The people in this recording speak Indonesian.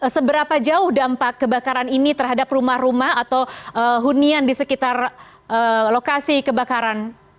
seberapa jauh dampak kebakaran ini terhadap rumah rumah atau hunian di sekitar lokasi kebakaran